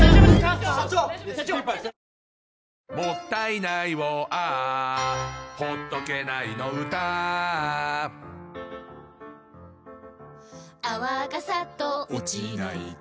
「もったいないをＡｈ」「ほっとけないの唄Ａｈ」「泡がサッと落ちないと」